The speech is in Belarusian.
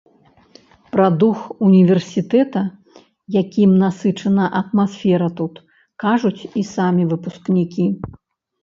Пра дух універсітэта, якім насычана атмасфера тут, кажуць і самі выпускнікі.